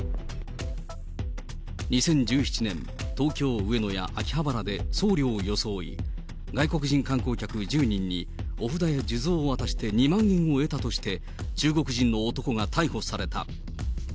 ２０１７年、東京・上野や秋葉原で僧侶を装い、外国人観光客１０人にお札や数珠を渡して２万円を得たとして、中国人の男が逮捕された。